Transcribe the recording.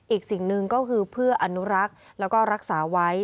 อีกสิ่งหนึ่งก็คือเพื่ออนุรักษ์แล้วก็รักษาไว้